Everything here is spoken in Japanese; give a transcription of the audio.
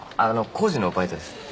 あの工事のバイトです。